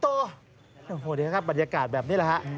โอ้โหนี่ครับบรรยากาศแบบนี้แหละฮะ